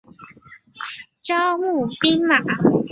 招募兵马。